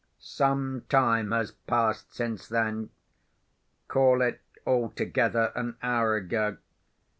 "Some time has passed since then. Call it, altogether, an hour ago.